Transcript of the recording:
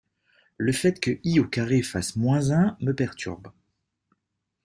Le fait que i au carré fasse moins un me perturbe.